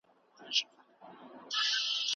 که ماشین وي نو اسانتیا نه کمیږي.